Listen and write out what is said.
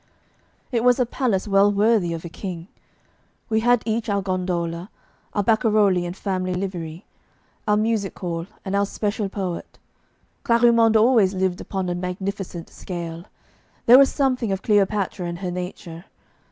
It was a palace well worthy of a king. We had each our gondola, our barcarolli in family livery, our music hall, and our special poet. Clarimonde always lived upon a magnificent scale; there was something of Cleopatra in her nature.